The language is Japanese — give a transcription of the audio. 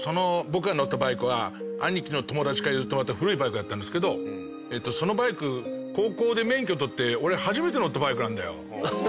僕が乗ってたバイクは兄貴の友達から譲ってもらった古いバイクだったんですけど「そのバイク高校で免許取って俺初めて乗ったバイクなんだよ」